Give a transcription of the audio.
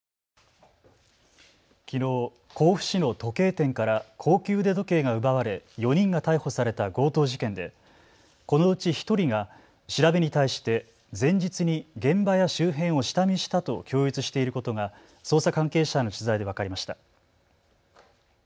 きのう甲府市の時計店から高級腕時計が奪われ４人が逮捕された強盗事件でこのうち１人が調べに対して前日に現場や周辺を下見したと供述していることが捜査関係者への取材で分かりました。